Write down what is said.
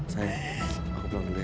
sayang aku pulang dulu ya